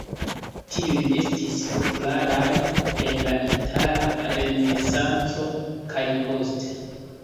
Tiuj estis popularaj en la Itala Renesanco kaj poste.